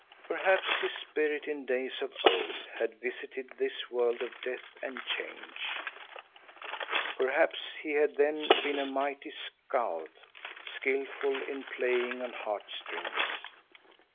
Perhaps his spirit in days of old had visited this world of death and change. Perhaps he had then been a mighty skald, skilful in playing on heartstrings.